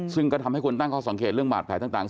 ซึ่งก็ทำให้คนตั้งข้อสังเกตเรื่องบาดแผลต่าง